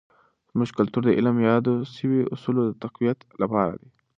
زموږ کلتور د علم د یادو سوي اصولو د تقویت لپاره دی.